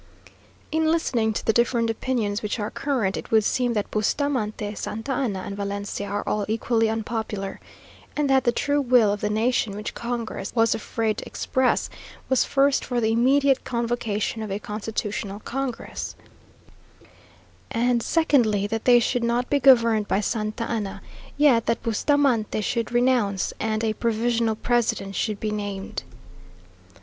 In listening to the different opinions which are current, it would seem that Bustamante, Santa Anna, and Valencia are all equally unpopular; and that the true will of the nation, which congress was afraid to express, was first for the immediate convocation of a Constitutional Congress; and secondly, that they should not be governed by Santa Anna, yet that Bustamante should renounce, and a provisional president should be named....